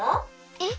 えっ！？